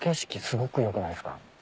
すごく良くないっすか？